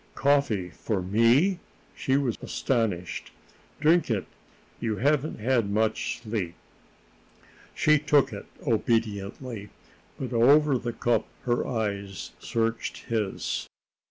"Coffee! For me?" She was astonished. "Drink it. You haven't had much sleep." She took it obediently, but over the cup her eyes searched his.